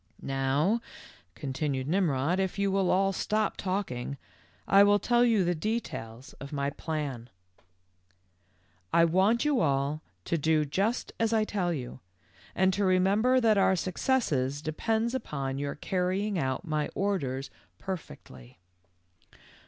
"Now," continued Nimrod, "if you will all stop talking, I will tell you the details of my plan. 94 THE LITTLE FORESTER 1 :. "I want you all to do just as I tell you, and to remember that our success depends upon your carrying out my orders perfectly.